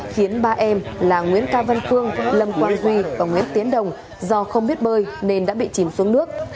khiến ba em là nguyễn cao văn phương lâm quang duy và nguyễn tiến đồng do không biết bơi nên đã bị chìm xuống nước